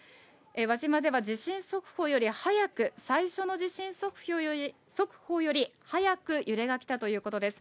輪島では地震速報より早く、最初の地震速報より早く揺れが来たということです。